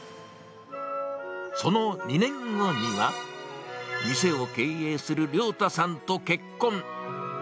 その２年後には、店を経営するりょうたさんと結婚。